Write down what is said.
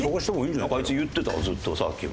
なんかあいつ言ってたずっとさっきも。